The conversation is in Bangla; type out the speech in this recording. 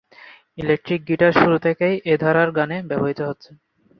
ইলেকট্রিক গিটার শুরু থেকেই এ ধারার গানে ব্যবহৃত হচ্ছে।